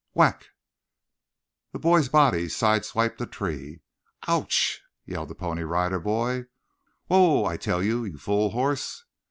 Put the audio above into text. Whack! The boy's body sidewiped a tree. "Ou u u u c h!" yelled the Pony Rider Boy. "Whoa, I tell you, you fool horse!"